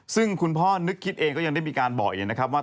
ซึ่งคุณพ่อนึกคิดเองก็ยังได้มีการบอกอีกนะครับว่า